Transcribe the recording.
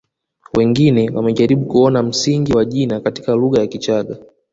Wengine wamejaribu kuona msingi wa jina katika lugha ya Kichagga